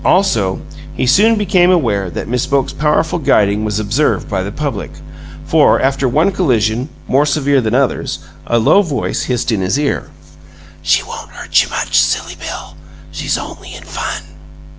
Also, he soon became aware that Miss Boke's powerful "guiding" was observed by the public; for, after one collision, more severe than others, a low voice hissed in his ear: "SHE WON'T HURT YOU MUCH, SILLY BILL. SHE'S ONLY IN FUN!"